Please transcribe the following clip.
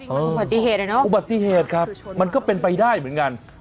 มันอุบัติเหตุอะเนาะอุบัติเหตุครับมันก็เป็นไปได้เหมือนกัน